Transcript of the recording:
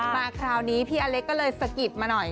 มาคราวนี้พี่อเล็กก็เลยสะกิดมาหน่อย